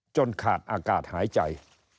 ขาดอากาศหายใจ